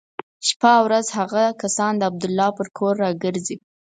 شپه او ورځ هغه کسان د عبدالله پر کور را ګرځي.